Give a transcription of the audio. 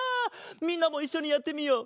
みんなもいっしょにやってみよう。